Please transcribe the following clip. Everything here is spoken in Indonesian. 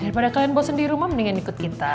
daripada kalian bosan di rumah mendingan ikut kita